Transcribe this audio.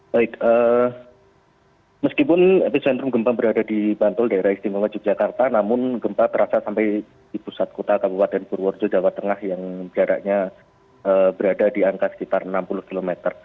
baik meskipun epicentrum gempa berada di bantul daerah istimewa yogyakarta namun gempa terasa sampai di pusat kota kabupaten purworejo jawa tengah yang jaraknya berada di angka sekitar enam puluh km